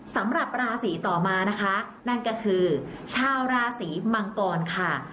สำหรับราศีต่อมานะคะนั่นก็คือชาวราศีมังกรค่ะ